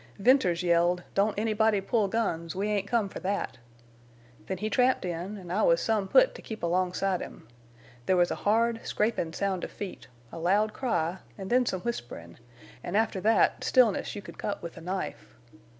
"Venters yelled: 'Don't anybody pull guns! We ain't come for that!' Then he tramped in, an' I was some put to keep alongside him. There was a hard, scrapin' sound of feet, a loud cry, an' then some whisperin', an' after that stillness you could cut with a knife.